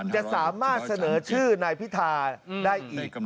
จะสามารถเสนอชื่อนายพิธาได้อีก